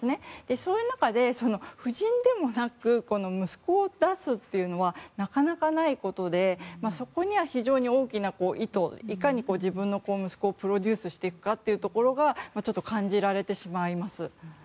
そういう中で、夫人ではなく息子を出すというのはなかなかないことでそこには非常に大きな意図いかに自分の息子をプロデュースするかということが感じられてしまいます。